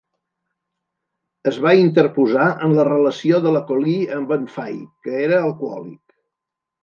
Es va interposar en la relació de la Collie amb el Fay, que era alcohòlic.